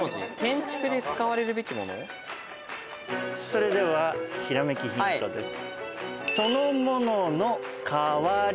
それではひらめきヒントです。